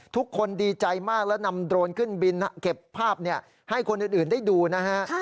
ทุกคนดีใจมากแล้วนำโดรนขึ้นบินเก็บภาพให้คนอื่นได้ดูนะฮะ